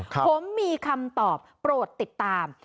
ผมมีคำตอบโปรดติดตาม